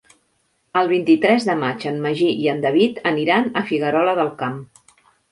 El vint-i-tres de maig en Magí i en David aniran a Figuerola del Camp.